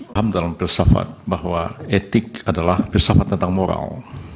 paham dalam filsafat bahwa etik adalah filsafat tentang moral